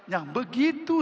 yang begitu strategis